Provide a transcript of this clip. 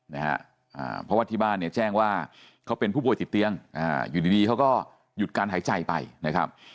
เพราะว่าที่บ้านเนี่ยแจ้งว่าเขาเป็นผู้ป่วยติดเตียงอยู่ดีเขาก็หยุดการหายใจไปนะครับ